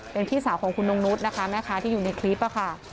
เป็นพี่สาวของคุณนงนุษย์นะคะแม่ค้าที่อยู่ในคลิปค่ะ